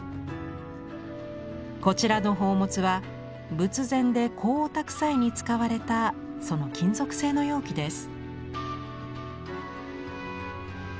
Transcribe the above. こちらの宝物は仏前で香をたく際に使われたその金属製の容器です。